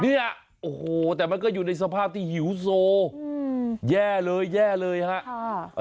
เนี่ยโอ้โหแต่มันก็อยู่ในสภาพที่หิวโซแย่เลยแย่เลยฮะ